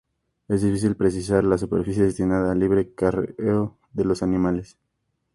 Es difícil precisar la superficie destinada al libre careo de los animales.